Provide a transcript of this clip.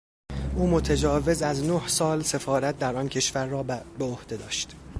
او متجاوز از نه سال سفارت در آن کشور را به عهده داشت.